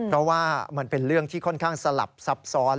เพราะว่ามันเป็นเรื่องที่ค่อนข้างสลับซับซ้อน